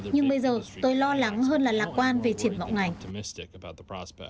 nhưng bây giờ tôi lo lắng hơn là lạc quan về triển vọng ngành